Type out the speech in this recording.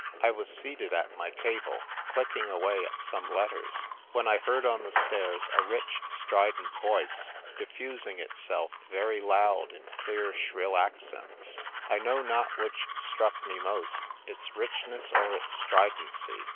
I was seated at my table, clicking away at some letters, when I heard on the stairs a rich strident voice, diffusing itself very loud in clear shrill accents, I know lot which struck me most, its richness or its stridency.